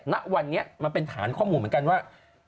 ณวันนี้มันเป็นฐานข้อมูลเหมือนกันว่า